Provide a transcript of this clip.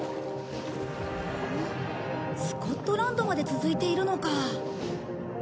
スコットランドまで続いているのか。